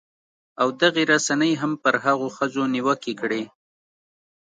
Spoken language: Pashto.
او دغې رسنۍ هم پر هغو ښځو نیوکې کړې